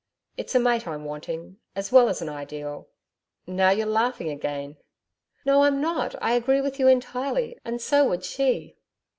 It's a Mate I'm wanting, as well as an Ideal.... Now you're laughing again.' 'No, I'm not. I agree with you entirely and so would SHE.'